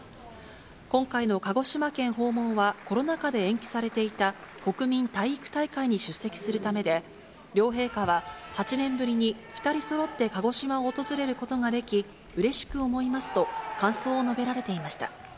今回の鹿児島県訪問は、コロナ禍で延期されていた、国民体育大会に出席するためで、両陛下は８年ぶりに２人そろって鹿児島を訪れることができ、うれしく思いますと、感想を述べられていました。